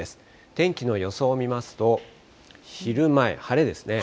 天気の予想を見ますと、昼前、晴れですね。